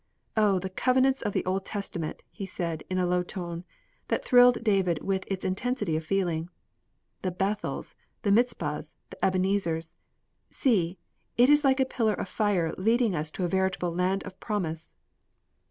"O, the covenants of the Old Testament!" he said, in a low tone, that thrilled David with its intensity of feeling. "The Bethels! The Mizpahs! The Ebenezers! See, it is like a pillar of fire leading us to a veritable land of promise."